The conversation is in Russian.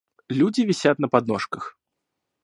Люди висят на подножках.